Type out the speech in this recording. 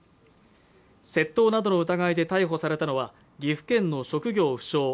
窃盗などの疑いで逮捕されたのは岐阜県の職業不詳